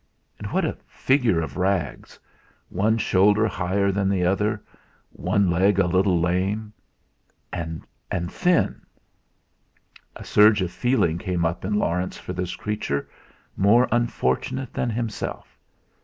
And what a figure of rags one shoulder higher than the other, one leg a little lame, and thin! A surge of feeling came up in Laurence for this creature, more unfortunate than himself.